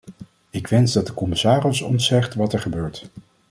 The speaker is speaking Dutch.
Ik wens dat de commissaris ons zegt wat er gebeurt.